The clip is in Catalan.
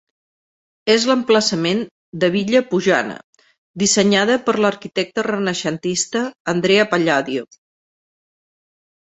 És l'emplaçament de Villa Pojana, dissenyada per l'arquitecte renaixentista Andrea Palladio.